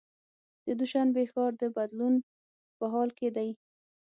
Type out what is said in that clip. د دوشنبې ښار د بدلون په حال کې دی.